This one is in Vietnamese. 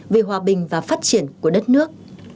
vì hòa bình và phát triển của đất nước